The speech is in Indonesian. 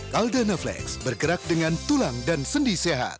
caldana flex bergerak dengan tulang dan sendi sehat